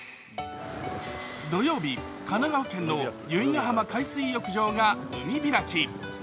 土曜日、神奈川県の由比ガ浜海水浴場が海開き。